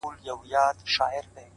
o خوشحال په دې دى چي دا ستا خاوند دی؛